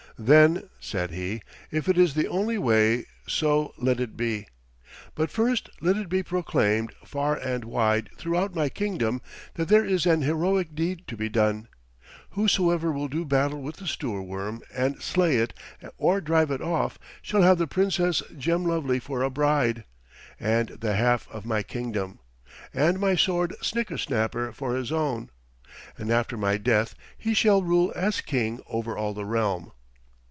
"Then," said he, "if it is the only way, so let it be. But first let it be proclaimed, far and wide throughout my kingdom, that there is an heroic deed to be done. Whosoever will do battle with the Stoorworm and slay it, or drive it off, shall have the Princess Gemlovely for a bride, and the half of my kingdom, and my sword Snickersnapper for his own; and after my death he shall rule as king over all the realm."